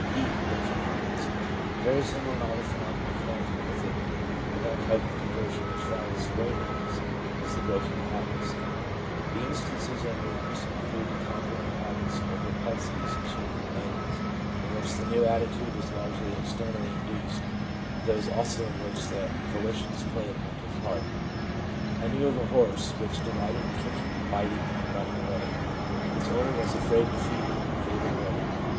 (d) Breaking Habits. Very similar in all the phenomena connected with it to that type of conversion which follows waywardness, is the breaking of habits. The instances are numerous, and include the conquering of habits or propensities in children and animals, in which the new attitude is largely externally induced, and those also in which the II 142 THE PSYCHOLOGY OF RELIGION volitions play an active part. ' I knew of a horse which delighted in kicking, biting, and running away. Its owner was afraid to feed it, and gave it away.